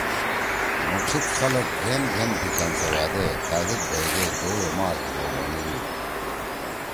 مُوٹھیِک خلگ گھین گھین ڈھیِچأن سوأدے تھأ زید بھئیدے جوَئی او ماݜ ڙو بنُودُود۔